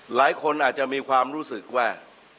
หลายคนอาจจะมีความรู้สึกว่า